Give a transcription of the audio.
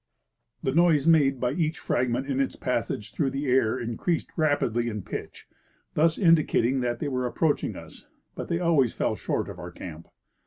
The noise made by each fragment in its passage through the air increased rapidly in pitch, thus indicating that they were ap proaching us ; but they always fell short of our camp.